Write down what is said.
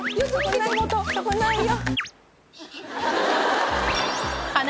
そこないよ。